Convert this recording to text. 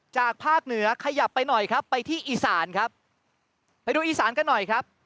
จากภาคเหนือขยับไปหน่อยครับไปที่อีสานครับไปดูอีสานกันหน่อยครับ